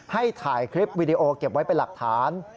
ให้ถ่ายคลิปวิดีโอเก็บไว้เป็นหลักฐาน